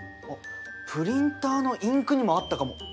あっプリンターのインクにもあったかも。